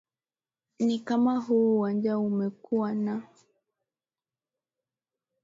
ni kama huu uwanja umekuwa naa